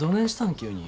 急に。